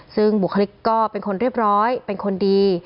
ซึ่งบุคลิกก็เป็นคนเรียบร้อยเป็นคนดี